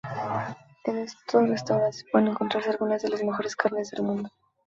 En estos restaurantes pueden encontrarse algunas de las mejores carnes del mundo.